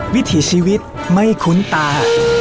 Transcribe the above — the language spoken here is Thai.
วิถีชีวิตไม่คุ้นตา